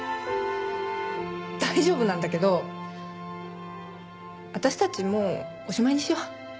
大丈夫なんだけど私たちもうおしまいにしよう。